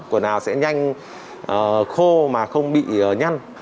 quần áo sẽ nhanh khô mà không bị nhăn